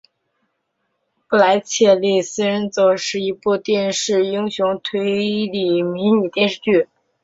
布莱切利四人组是一部电视英国推理迷你电视剧。